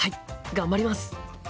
頑張ります。